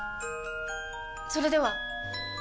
それでは！